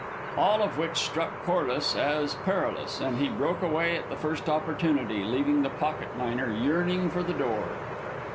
All of which struck Corliss as perilous, and he broke away at the first opportunity, leaving the pocket miner yearning for the door.